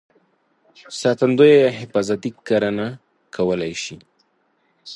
ساتندویه یا حفاظتي کرنه کولای شي.